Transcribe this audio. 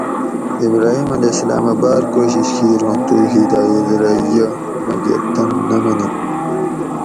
ابراہیم (ع) اۤ بار کوشیش کیر اُوں تو ھدایِت رہ یہ مگر تن نہ منی